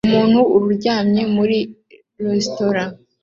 Umuntu uryamye muri resitora